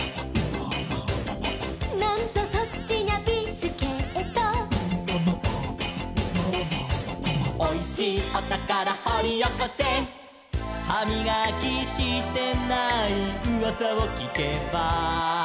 「なんとそっちにゃビスケット」「おいしいおたからほりおこせ」「はみがきしてないうわさをきけば」